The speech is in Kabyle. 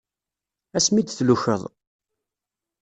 Ass mi d-tlukeḍ.